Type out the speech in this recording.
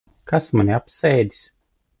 Kas mani apsēdis?